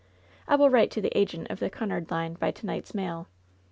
I will write to the agent of the Cunard line by to night's mail.